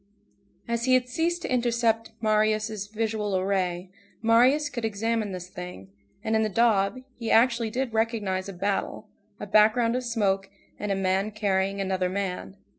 As he had ceased to intercept Marius' visual ray, Marius could examine this thing, and in the daub, he actually did recognize a battle, a background of smoke, and a man carrying another man.